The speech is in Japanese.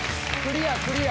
クリア！